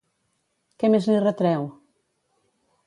Què més li retreu?